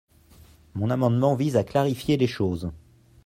Mon amendement vise à clarifier les choses.